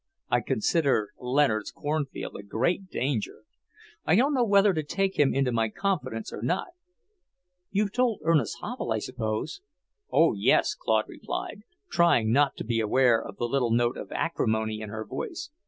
I consider Leonard's cornfield a great danger. I don't know whether to take him into my confidence or not." "You've told Ernest Havel, I suppose?" "Oh, yes!" Claude replied, trying not to be aware of the little note of acrimony in her voice.